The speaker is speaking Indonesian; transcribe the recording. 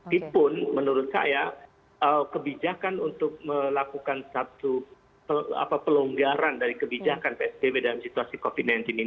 walaupun menurut saya kebijakan untuk melakukan satu pelonggaran dari kebijakan psbb dalam situasi covid sembilan belas ini